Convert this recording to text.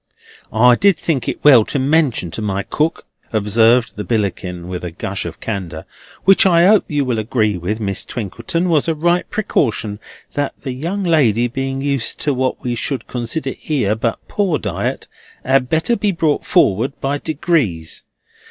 "I did think it well to mention to my cook," observed the Billickin with a gush of candour, "which I 'ope you will agree with, Miss Twinkleton, was a right precaution, that the young lady being used to what we should consider here but poor diet, had better be brought forward by degrees.